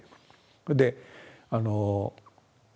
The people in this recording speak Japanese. それであの。